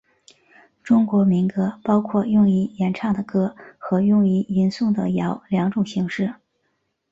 中国民歌包括用以演唱的歌和用于吟诵的谣两种形式。